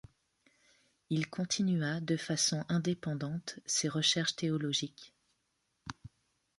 Il continua de façon indépendante ses recherches théologiques.